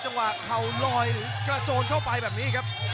จังหวะเข่าลอยหรือกระโจนเข้าไปแบบนี้ครับ